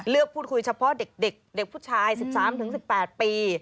เลือกพูดคุยเฉพาะเด็กผู้ชาย๑๓๑๘ปี